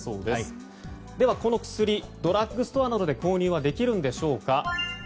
では、この薬ドラッグストアなどで購入はできるんでしょうか。